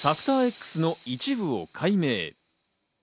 Ｘの一部を解明。